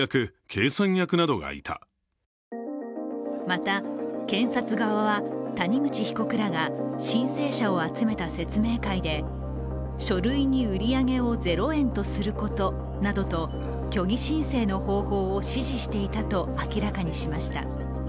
また、検察側は、谷口被告らが申請者を集めた説明会で書類に売り上げを０円とすることなどと虚偽申請の方法を指示していたと明らかにしました。